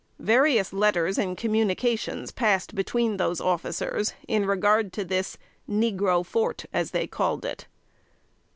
Various letters and communications passed between those officers in regard to this "Negro Fort," as they called it.